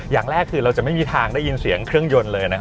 อย่างแรกคือเราจะไม่มีทางได้ยินเสียงเครื่องยนต์เลย